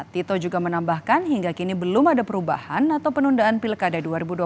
tito juga menambahkan hingga kini belum ada perubahan atau penundaan pilkada dua ribu dua puluh